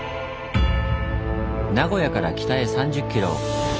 名古屋から北へ３０キロ。